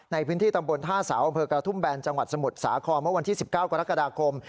ในพื้นที่ตำบนท่าสาวเมืองกระทุ่มแบนจังหวัดสมุทรสาขอมเมื่อวันที่สิบเก้ากรกฎาคม